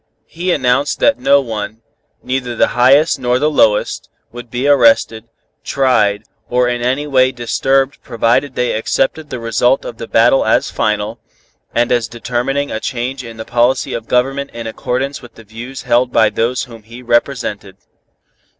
He announced that no one, neither the highest nor the lowest, would be arrested, tried, or in any way disturbed provided they accepted the result of the battle as final, and as determining a change in the policy of government in accordance with the views held by those whom he represented.